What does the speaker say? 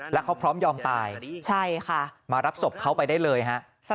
แล้วเขาพร้อมยอมตายมารับศพเขาไปได้เลยฮะใช่ค่ะ